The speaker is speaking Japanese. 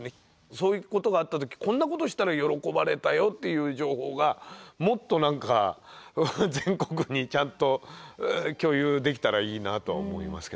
そういうことがあった時こんなことしたら喜ばれたよっていう情報がもっと何か全国にちゃんと共有できたらいいなと思いますけどね。